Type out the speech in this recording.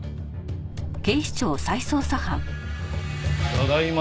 ただいま。